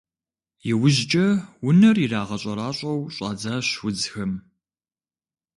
Иужькӏэ унэр ирагъэщӏэращӏэу щӏадзащ удзхэм.